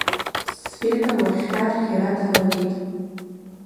Света уаххьа архиара дналагеит.